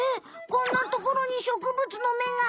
こんなところに植物のめが！